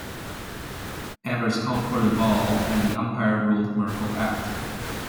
Evers called for the ball, and the umpire ruled Merkle out.